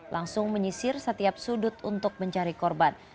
langsung menyisir setiap sudut untuk mencari korban